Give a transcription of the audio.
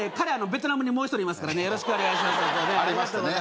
ベトナムにもう１人いますからよろしくお願いしますありましたね